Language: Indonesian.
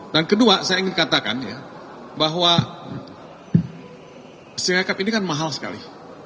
dan kedua saya ingin katakan ya bahwa sirekap ini kan mahal sekali